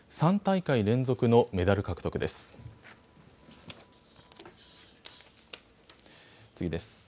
３大会連続のメダル獲得です。